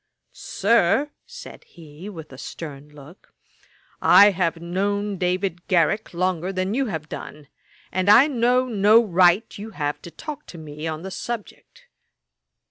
'Sir, (said he, with a stern look,) I have known David Garrick longer than you have done: and I know no right you have to talk to me on the subject.'